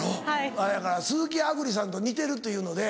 あれやから鈴木亜久里さんと似てるっていうので。